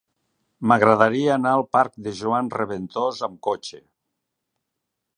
M'agradaria anar al parc de Joan Reventós amb cotxe.